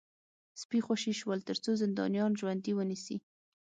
سپي خوشي شول ترڅو زندانیان ژوندي ونیسي